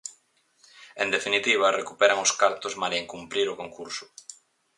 En definitiva, recuperan os cartos malia incumprir o concurso.